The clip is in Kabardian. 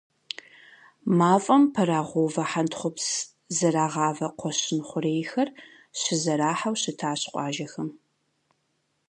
Мафӏэм пэрагъэувэ хьэнтхъупс зэрагъавэ кхъуэщын хъурейхэр щызэрахьэу щытащ къуажэхэм.